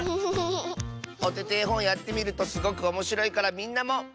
「おててえほん」やってみるとすごくおもしろいからみんなも。